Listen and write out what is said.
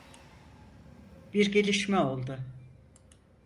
Bir gelişme oldu.